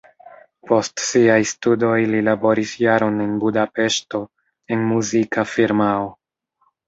Post siaj studoj li laboris jaron en Budapeŝto en muzika firmao.